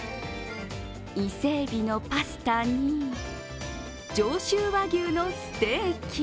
伊勢えびのパスタに上州和牛のステーキ。